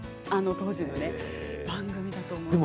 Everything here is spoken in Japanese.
当時の番組だと思います。